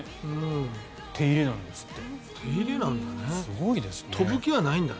手入れなんですって。